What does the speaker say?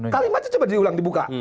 kalimatnya coba diulang dibuka